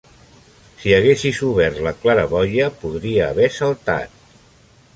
Si haguessis obert la claraboia, podria haver saltat.